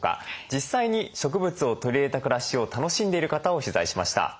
実際に植物を取り入れた暮らしを楽しんでいる方を取材しました。